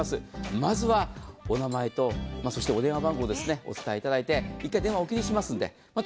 まずはお名前とお電話番号をお伝えいただいて１回電話をお切りしますのでまた